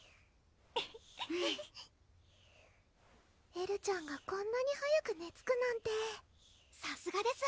エルちゃんがこんなに早くねつくなんてさすがです